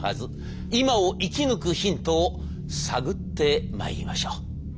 今を生き抜くヒントを探ってまいりましょう。